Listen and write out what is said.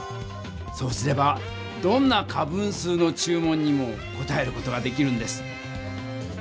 そうすればどんな仮分数の注文にもこたえる事ができるんです。